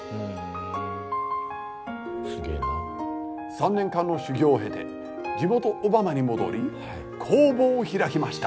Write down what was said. ３年間の修業を経て地元小浜に戻り工房を開きました。